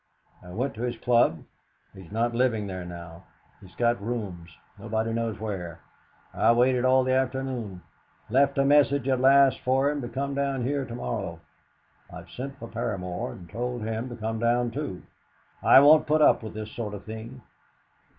I went to his club. He's not living there now. He's got rooms, nobody knows where. I waited all the afternoon. Left a message at last for him to come down here to morrow. I've sent for Paramor, and told him to come down too. I won't put up with this sort of thing."